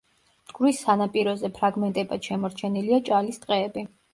მტკვრის სანაპიროზე ფრაგმენტებად შემორჩენილია ჭალის ტყეები.